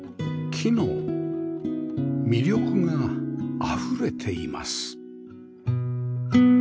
木の魅力があふれています